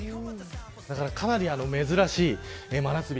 だからかなり珍しい真夏日。